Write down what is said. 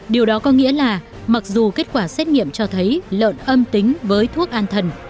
điều đó có nghĩa là mặc dù kết quả xét nghiệm cho thấy lợn âm tính với thuốc an thần